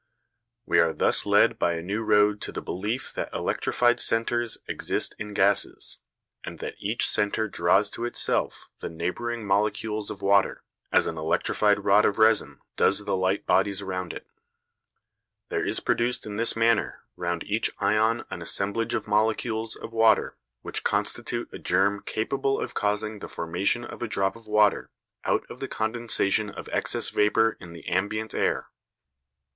We are thus led by a new road to the belief that electrified centres exist in gases, and that each centre draws to itself the neighbouring molecules of water, as an electrified rod of resin does the light bodies around it. There is produced in this manner round each ion an assemblage of molecules of water which constitute a germ capable of causing the formation of a drop of water out of the condensation of excess vapour in the ambient air.